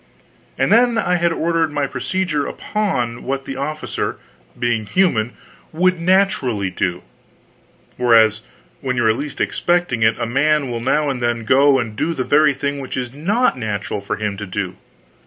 And then, I had ordered my procedure upon what the officer, being human, would naturally do; whereas when you are least expecting it, a man will now and then go and do the very thing which it's not natural for him to do.